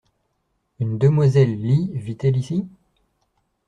Une demoiselle Lee vit-elle ici ?